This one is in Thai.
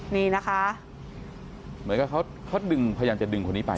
เหมือนกับเขาพยันจะดึงคนนี้ไป